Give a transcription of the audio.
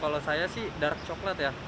kalau saya sih dark coklat ya